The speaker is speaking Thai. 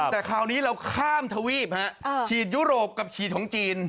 แต่คราวนี้เราข้ามทวีปฉีดยุโรปกับฉีดของจีน